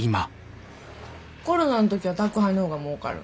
コロナの時は宅配の方がもうかる。